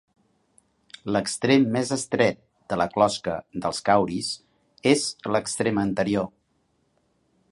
L'extrem més estret de la closca dels cauris és l'extrem anterior.